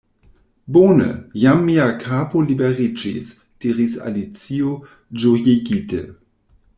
"Bone! Jam mia kapo liberiĝis," diris Alicio, ĝojigite.